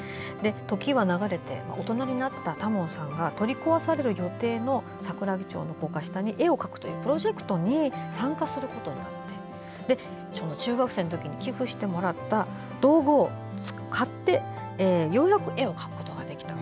ときは流れて大人になった多聞さんが取り壊される予定の桜木町の高架下に絵を描くというプロジェクトに参加することになって中学生のときに寄付してもらった道具を使ってようやく絵を描くことができた。